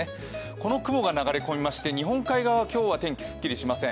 この雲が流れ込みまして、日本海側は今日、天気、すっきりしません。